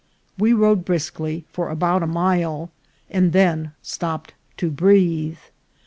We rode briskly for about a mile, and then stopped to breathe.